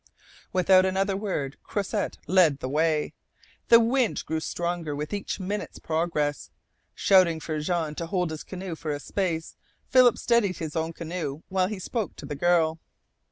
Without another word Croisset led the way. The wind grew stronger with each minute's progress. Shouting for Jean to hold his canoe for a space, Philip steadied his own canoe while he spoke to the girl.